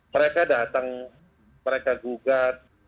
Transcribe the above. mereka datang mereka gugat